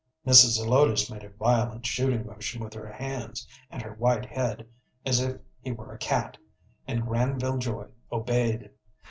Mrs. Zelotes made a violent shooting motion with her hands and her white head as if he were a cat, and Granville Joy obeyed.